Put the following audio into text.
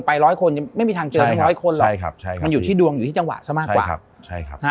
ไปร้อยคนยังไม่มีทางเจอทั้งร้อยคนหรอกมันอยู่ที่ดวงอยู่ที่จังหวะซะมากกว่า